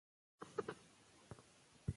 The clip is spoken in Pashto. دښتې د افغانستان د دوامداره پرمختګ لپاره اړین دي.